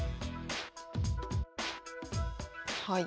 はい。